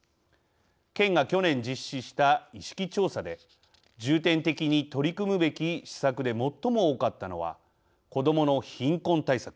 県が去年実施した意識調査で重点的に取り組むべき施策で最も多かったのは子どもの貧困対策。